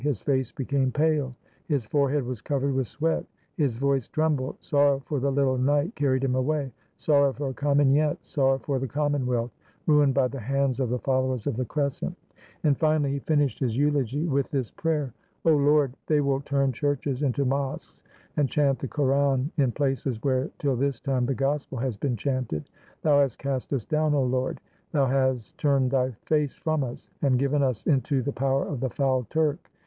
His face became pale; his forehead was covered with sweat; his voice trembled. Sorrow for the little knight carried him away, sorrow for Kamenyetz, sorrow for the Commonwealth, ruined by the hands of the followers of the Crescent; and finally he finished his eulogy with this prayer :— "0 Lord, they will turn churches into mosques, and chant the Koran in places where till this time the Gospel has been chanted. Thou hast cast us down, O Lord; Thou has turned Thy face from us, and given us into the power of the foul Turk.